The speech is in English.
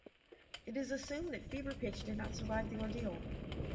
It is assumed that Fever Pitch did not survive the ordeal.